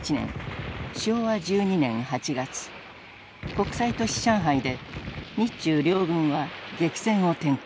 国際都市上海で日中両軍は激戦を展開。